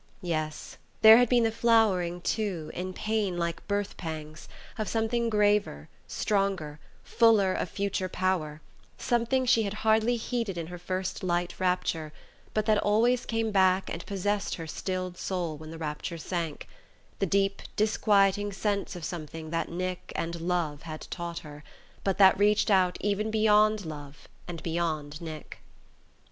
Yes there had been the flowering too, in pain like birth pangs, of something graver, stronger, fuller of future power, something she had hardly heeded in her first light rapture, but that always came back and possessed her stilled soul when the rapture sank: the deep disquieting sense of something that Nick and love had taught her, but that reached out even beyond love and beyond Nick.